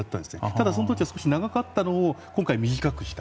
ただ、その時は少し長かったのを今回短くした。